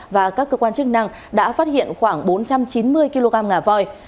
và các cơ quan chức năng đã phát hiện khoảng bốn trăm chín mươi kg ngà voi